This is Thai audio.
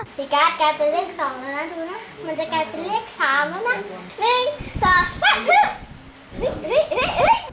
พี่กัสกลายเป็นเลข๒แล้วนะดูนะมันจะกลายเป็นเลข๓แล้วนะ